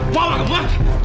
bawa ke rumah